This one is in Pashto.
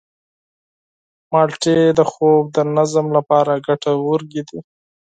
مالټې د خوب د نظم لپاره ګټورې دي.